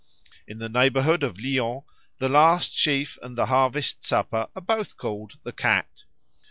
In the neighbourhood of Lyons the last sheaf and the harvest supper are both called the Cat.